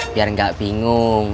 biar gak bingung